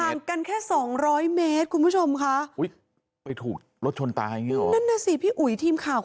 ห่างกันแค่๒๐๐เมตรคุณผู้ชมค่ะ